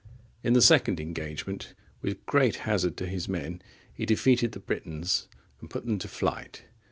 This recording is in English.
In the second engagement, with great hazard to his men, he defeated the Britons and put them to flight.